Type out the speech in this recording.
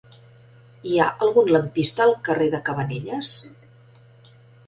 Hi ha algun lampista al carrer de Cabanelles?